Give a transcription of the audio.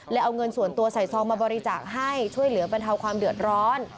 เอาเงินส่วนตัวใส่ซองมาบริจาคให้ช่วยเหลือบรรเทาความเดือดร้อน